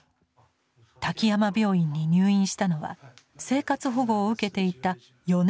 滝山病院に入院したのは生活保護を受けていた４年前。